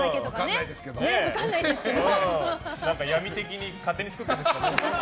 闇的に勝手に作っているんですかね。